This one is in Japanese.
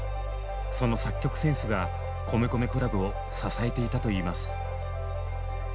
その作曲センスが米米ＣＬＵＢを支えていたと言います。